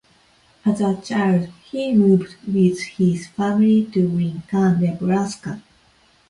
As a child, he moved with his family to Lincoln, Nebraska.